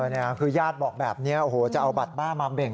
นี่คือญาติบอกแบบนี้โอ้โหจะเอาบัตรบ้ามาเบ่ง